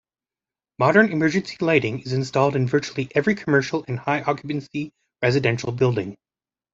Modern emergency lighting is installed in virtually every commercial and high occupancy residential building.